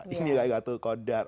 ini lahir atur kodar